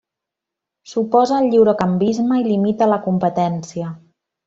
S'oposa al lliurecanvisme i limita la competència.